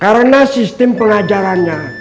karena sistem pengajarannya